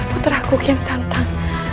putraku kian santan